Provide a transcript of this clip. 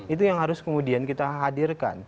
itu yang harus kemudian kita hadirkan